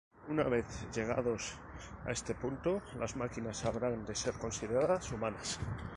Una vez llegados a este punto, las máquinas habrán de ser consideradas humanas.